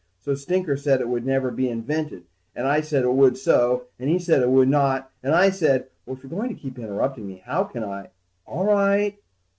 So Stinker said it never would be invented, and I said it would so, and he said it would not, and I said ... Well, if you're going to keep interrupting me, how can I ... All right.